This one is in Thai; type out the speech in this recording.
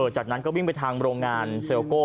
จากนั้นก็วิ่งไปทางโรงงานเซลโก้